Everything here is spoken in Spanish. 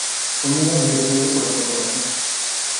Comienza a interesarse por la fotografía.